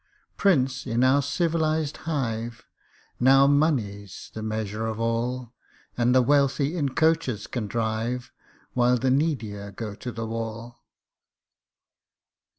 Prince, in our civilised hive, Now money's the measure of all ; And the wealthy in coaches can drive, While the needier go to the wall.